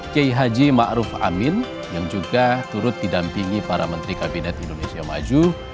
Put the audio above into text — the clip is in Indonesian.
j h ma ruf amin yang juga turut didampingi para menteri kabinet indonesia maju